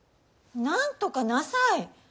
なんとかなさい！